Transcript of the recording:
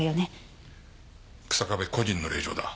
日下部個人の令状だ。